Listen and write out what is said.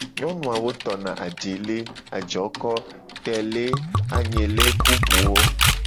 Nyonu awo tona : ajele, ajoko, tele, anyele ku buwo.